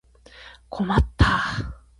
困った